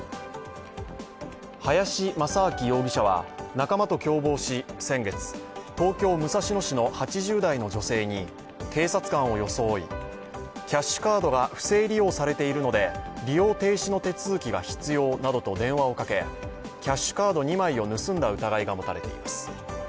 林真明容疑者は仲間と共謀し、先月東京・武蔵野市の８０代の女性に警察官を装い、キャッシュカードが不正利用されているので利用停止の手続きが必要などと電話をかけ、キャッシュカード２枚を盗んだ疑いが持たれています。